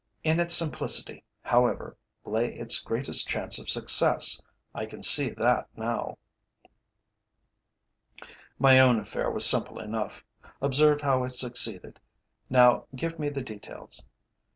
In its simplicity, however, lay its greatest chance of success. I can see that now." "My own affair was simple enough. Observe how it succeeded. Now give me the details."